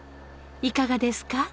いかがですか？